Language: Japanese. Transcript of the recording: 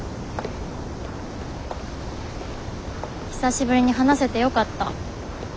久しぶりに話せてよかった。